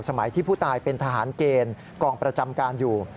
สมัยที่ผู้ตายเป็นทหารเกณฑ์กองประจำการอยู่